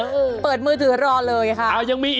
เออเออเปิดมือถือรอเลยค่ะอ่ะ